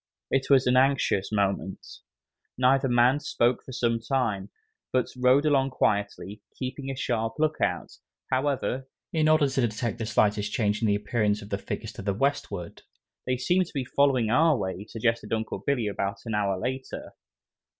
It was an anxious moment. Neither man spoke for some time, but rode along quietly, keeping a sharp look out, however, in order to detect the slightest change in the appearance of the figures to the westward. "They seem to be following our way," suggested Uncle Billy about an hour later.